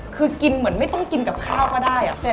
คือกินเหมือนไม่ต้องกินกับข้าวก็ได้